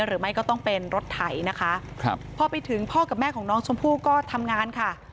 หรือไม่ก็ต้องเป็นรถไถนะคะครับพอไปถึงพ่อกับแม่ของน้องชมพู่ก็ทำงานค่ะ